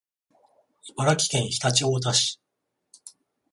茨城県常陸太田市